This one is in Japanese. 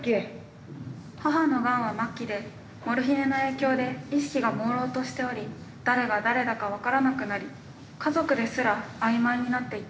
「母のがんは末期でモルヒネの影響で意識が朦朧としており誰が誰だか分からなくなり家族ですら曖昧になっていた」。